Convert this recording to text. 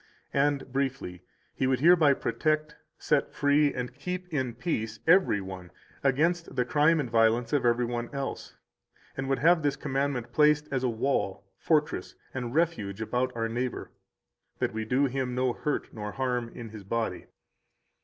And briefly, He would hereby protect, set free, and keep in peace every one against the crime and violence of every one else; and would have this commandment placed as a wall, fortress, and refuge about our neighbor, that we do him no hurt nor harm in his body.